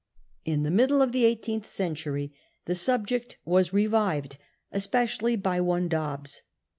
In the middle of the eighteenth century the subject was revived, especially by one Dobbs.